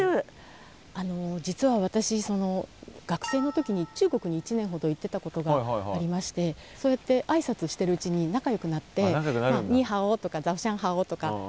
実は私学生の時に中国に１年ほど行ってたことがありましてそうやって挨拶してるうちに仲よくなってニイハオとかザオシャンハオとか。